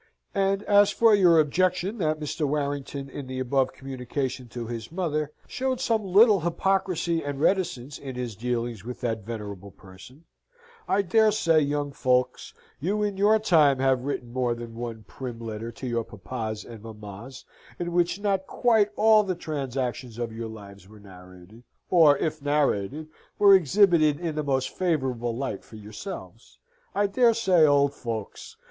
And as for your objection that Mr. Warrington, in the above communication to his mother, showed some little hypocrisy and reticence in his dealings with that venerable person, I dare say, young folks, you in your time have written more than one prim letter to your papas and mammas in which not quite all the transactions of your lives were narrated, or if narrated, were exhibited in the most favourable light for yourselves I dare say, old folks!